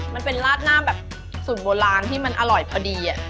มันเป็นราดหน้าแบบสูตรโบราณที่มันอร่อยพอดี